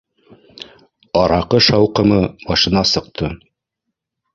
Араҡы шауҡымы башына сыҡты